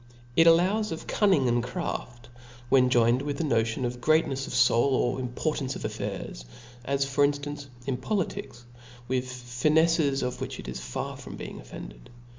It allows of cunning and craft, when joined with the notion of grcatncfs of foul or importance of af fairs \ as, for inftance, in politics, with whofe fineffes it is far from being offended.